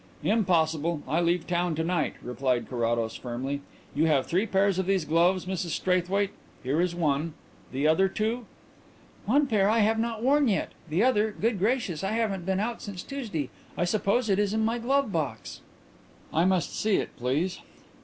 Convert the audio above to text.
"Impossible; I leave town to night," replied Carrados firmly. "You have three pairs of these gloves, Mrs Straithwaite. Here is one. The other two ?" "One pair I have not worn yet. The other good gracious, I haven't been out since Tuesday! I suppose it is in my glove box." "I must see it, please."